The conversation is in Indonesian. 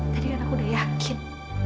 tadi kan aku udah yakin